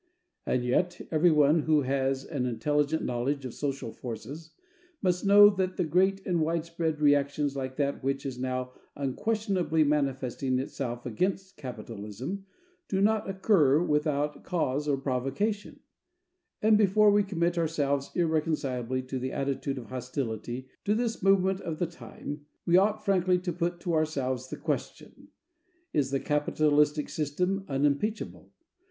And yet everyone who has an intelligent knowledge of social forces must know that great and widespread reactions like that which is now unquestionably manifesting itself against capitalism do not occur without cause or provocation; and before we commit ourselves irreconcilably to an attitude of hostility to this movement of the time, we ought frankly to put to ourselves the question, Is the capitalistic system unimpeachable?